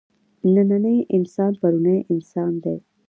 نننی انسان پروني انسان دی.